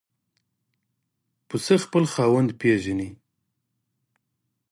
پسه خپل خاوند پېژني.